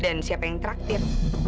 dan siapa yang traktir